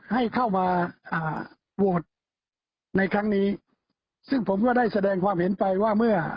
ให้เข้ามาอ่าโหวตในครั้งนี้ซึ่งผมก็ได้แสดงความเห็นไปว่าเมื่อ